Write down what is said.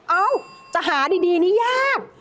เอ้าจะหาดีนี่ยาก